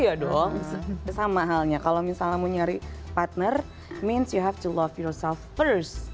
iya dong sama halnya kalau misalnya mau nyari partner means you have to love yourself first